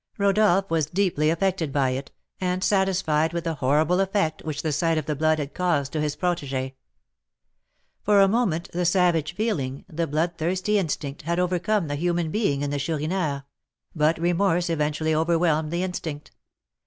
Rodolph was deeply affected by it, and satisfied with the horrible effect which the sight of the blood had caused to his protégé. For a moment the savage feeling, the bloodthirsty instinct, had overcome the human being in the Chourineur; but remorse eventually overwhelmed the instinct.